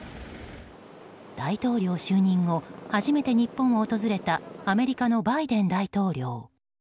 大統領就任後初めて日本を訪れたアメリカのバイデン大統領。